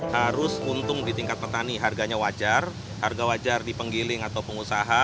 harus untung di tingkat petani harganya wajar harga wajar di penggiling atau pengusaha